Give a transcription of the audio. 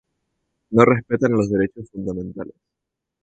No respetan los derechos fundamentales".